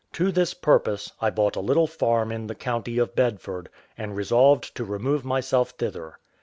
To this purpose, I bought a little farm in the county of Bedford, and resolved to remove myself thither.